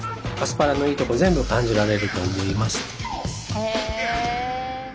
へえ。